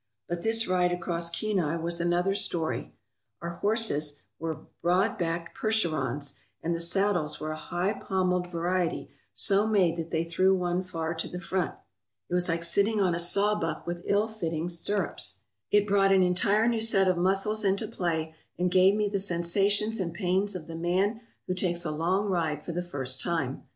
But this ride across Kenai was another story. Our horses were broad backed Percherons, and the saddles were a high pommelled variety so made that they threw one far to the front. It was like sitting on a sawbuck with 258 ACROSS KENAI ON HORSEBACK ill fitting stirrups. It brought an entire new set of muscles into play and gave me the sensations and pains of the man who takes a long ride for the first time.